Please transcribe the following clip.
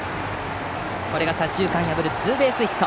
これが左中間を破るツーベースヒット。